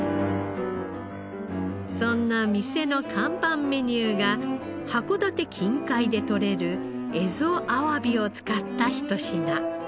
そんな店の看板メニューが函館近海で取れる蝦夷あわびを使ったひと品。